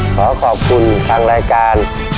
ขอขอบคุณทางรายการ